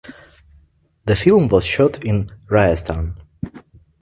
The film was shot in Rajasthan.